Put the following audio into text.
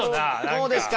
こうですか？